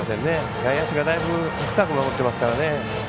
外野手がだいぶ深く守ってますからね。